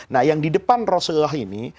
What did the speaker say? nah yang di depan rasulullah ini